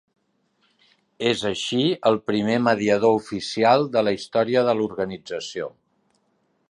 És així el primer mediador oficial de la història de l'organització.